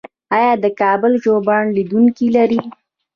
آیا د کابل ژوبڼ لیدونکي لري؟